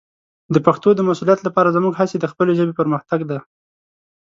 د پښتو د مسوولیت لپاره زموږ هڅې د خپلې ژبې پرمختګ دی.